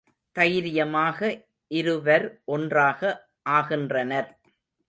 தைரியமாக இருவர் ஒன்றாக ஆகின்றனர்.